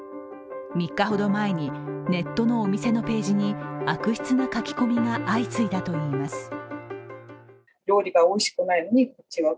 ３日ほど前に、ネットのお店のページに悪質な書き込みが相次いだといいます。